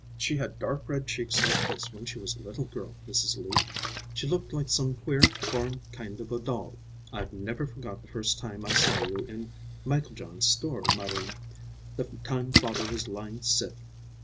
She had dark red cheeks like this when she was a little girl, Mrs. Lee. She looked like some queer foreign kind of a doll. I've never forgot the first time I saw you in Mieklejohn's store, Marie, the time father was lying sick.